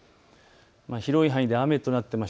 広い範囲で雨となっています。